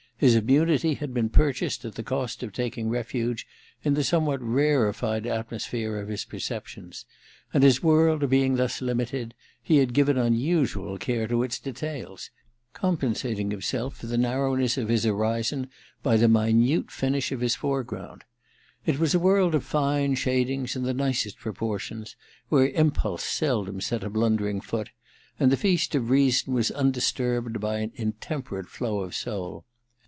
His immunity had been purchased at the cost of taking refuge in the somewhat rarefied atmosphere of his perceptions; and his world being thus limited, he had given unusual care to its details, I70 THE MISSION OF JANE ii compensating himself for the narrowness of his horizon by the minute finish of his foreground. It was a world of fine shadings and the nicest proportions, where impulse seldom set a blunder ing foot, and the feast of reason was undisturbed by an intemperate flow of soul.